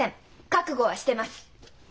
覚悟はしてます。